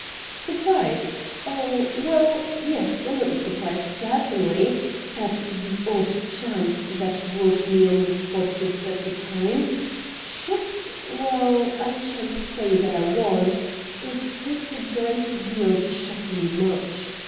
' Surprised ? Oh, well — yes — a little sur MR. RATT GUNDY 125 prised, certaiDly, at the odd chance that brought me on the spot just at the time. Shocked ?— well, I can't say that I was — it takes a great deal to shock me much.